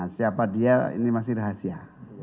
siapa dia ini masih rahasia